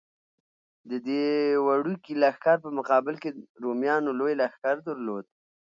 د دې وړوکي لښکر په مقابل کې رومیانو لوی لښکر درلود.